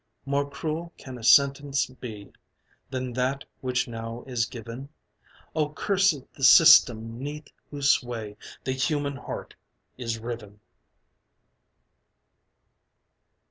More cruel can a sentence be Than that which now is given? Oh cursed the system 'neath whose sway The human heart is riven!